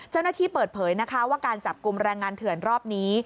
เจ้าหน้าที่เปิดเผยนะคะว่าการจับกลุ่มแรงงานเถื่อนรอบนี้